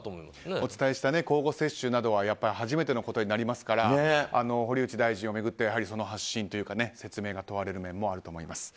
お伝えした交互接種などは初めてのことになりますから堀内大臣を巡ってはその発信というか説明が問われる面もあると思います。